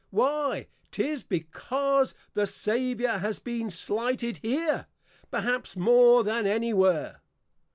Why, 'tis because the Saviour has been slighted here, perhaps more than any where.